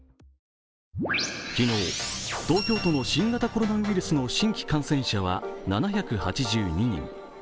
昨日、東京都の新型コロナウイルスの新規感染者は７８２人。